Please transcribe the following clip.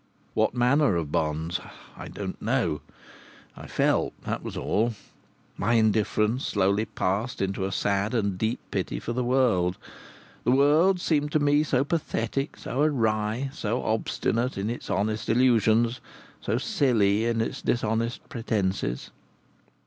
What manner of bonds? I don't know. I felt that was all. My indifference slowly passed into a sad and deep pity for the world. The world seemed to me so pathetic, so awry, so obstinate in its honest illusions, so silly in its dishonest pretences.